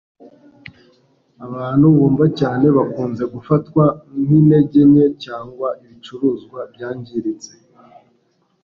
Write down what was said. abantu bumva cyane bakunze gufatwa nk'intege nke cyangwa ibicuruzwa byangiritse